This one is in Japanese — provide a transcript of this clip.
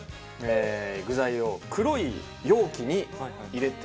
具材を黒い容器に入れていきます。